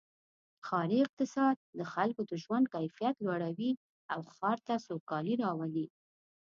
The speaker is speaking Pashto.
ښاري اقتصاد د خلکو د ژوند کیفیت لوړوي او ښار ته سوکالي راولي.